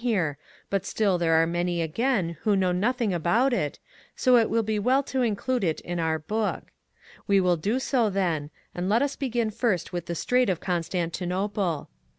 THE OLD FRENCH TEXT Sj been hei e, but still there are many again who know nothing about it, so it will be well to include it in our Book. We will do so then, and let us begin first with the Strait of Constantinople.